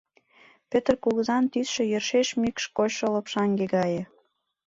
Пӧтыр кугызан тӱсшӧ йӧршеш мӱкш кочшо лопшаҥге гае.